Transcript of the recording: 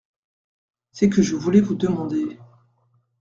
C’est que je voulais vous demander…